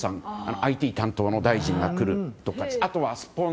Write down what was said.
ＩＴ担当大臣が来るとか。